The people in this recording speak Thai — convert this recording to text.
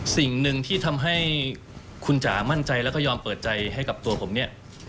สิ่งหนึ่งที่ทำให้คุณจ๋ามั่นใจแล้วก็ยอมเปิดใจให้กับตัวผมเนี่ย